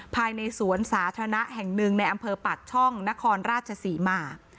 ภายในสวนสาธารณะแห่งหนึ่งในอำเภอปากช่องนครราชศรีมา